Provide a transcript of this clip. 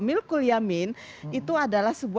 milkul yamin itu adalah